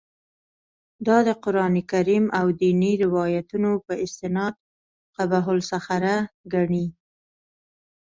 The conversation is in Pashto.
دا د قران کریم او دیني روایتونو په استناد قبه الصخره ګڼي.